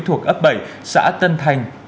thuộc ấp bảy xã tân thành